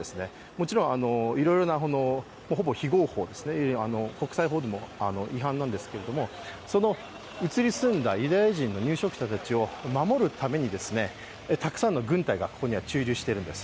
もちろんいろいろほぼ非合法、国際法でも違反なんですけれども、その移り住んだユダヤ人の入植者たちを守るためにたくさんの軍隊がここには駐留しているんです。